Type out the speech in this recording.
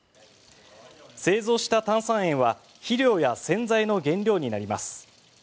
製造した炭酸塩は肥料や洗剤の原料になります。